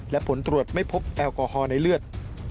และผลตรวจไม่พบแอลกอฮอล์ในเลือด